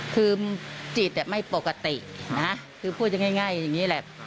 คือจิตไม่ปกตินะคือพูดง่ายอย่างนี้แหละ